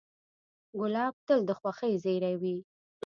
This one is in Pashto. ګلاب تل د خوښۍ زېری وي.